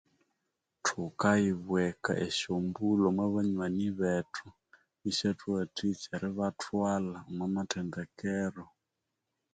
Thukayibweka esyambulho omwabanywani bethu isyathuwathikyaa eribathwala omomathendekero